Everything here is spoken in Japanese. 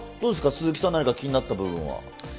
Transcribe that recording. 鈴木さん、何か気になった部分は。